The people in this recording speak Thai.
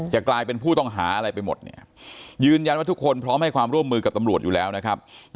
กลายเป็นผู้ต้องหาอะไรไปหมดเนี่ยยืนยันว่าทุกคนพร้อมให้ความร่วมมือกับตำรวจอยู่แล้วนะครับ